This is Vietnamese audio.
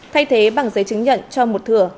thay thế bằng giấy chứng nhận cho một thửa